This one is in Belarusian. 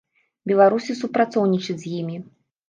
Беларусі супрацоўнічаць з імі.